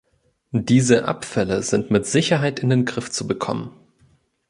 Diese Abfälle sind mit Sicherheit in den Griff zu bekommen.